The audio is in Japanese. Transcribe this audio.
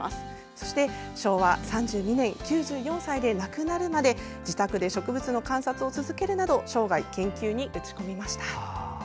そして昭和３２年９４歳で亡くなるまで自宅で植物の観察を続けるなど生涯、研究に打ち込みました。